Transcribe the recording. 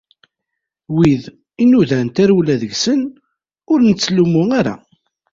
Wid i nudan tarewla deg-sen ur nettlummu ara.